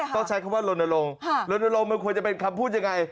ต้องใช้คำว่าลนลงลนลงมันควรจะเป็นคำพูดยังไง